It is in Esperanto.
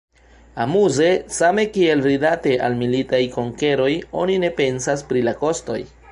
Amuze, same kiel rilate al militaj konkeroj oni ne pensas pri la kostoj.